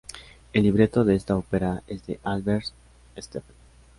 El libreto de esta ópera es de Albert Steffen.